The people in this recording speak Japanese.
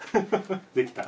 できた。